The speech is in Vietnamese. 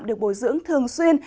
được bồi dưỡng thường xuyên